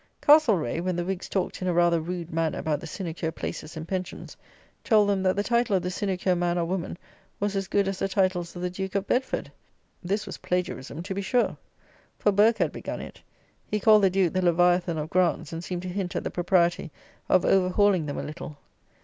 Castlereagh, when the Whigs talked in a rather rude manner about the sinecure places and pensions, told them, that the title of the sinecure man or woman was as good as the titles of the Duke of Bedford! this was plagiarism, to the sure; for Burke had begun it. He called the Duke the Leviathan of grants; and seemed to hint at the propriety of over hauling them a little.